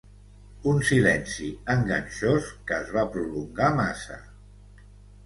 Un silenci enganxós que es va prolongar massa.